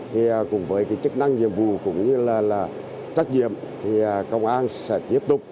thì cũng với cái chức năng nhiệm vụ cũng như là trách nhiệm thì công an sẽ tiếp tục